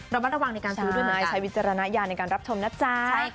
ระวังในการซื้อด้วยไหมใช้วิจารณาอย่างในการรับชมนะจ๊ะ